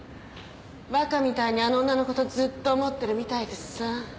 バカみたいにあの女のことずっと思ってるみたいだしさ。